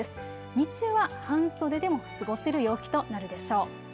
日中は半袖でも過ごせる陽気となるでしょう。